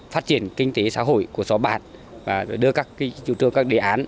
phát triển kinh tế xã hội của xóm bản và đưa các chủ trương các đề án